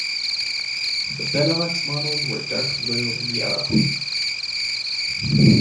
The Benelux models were dark blue and yellow.